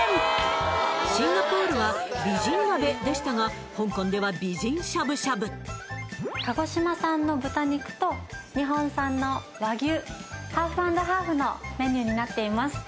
シンガポールは「美人鍋」でしたが香港では美人しゃぶしゃぶ鹿児島産の豚肉と日本産の和牛ハーフアンドハーフのメニューになっています